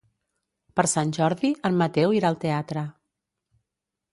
Per Sant Jordi en Mateu irà al teatre.